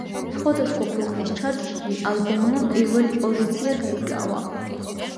სხვადასხვა ქვეყნის ჩარტში ალბომმა პირველი პოზიცია დაიკავა.